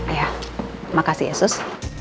ya makasih ya sus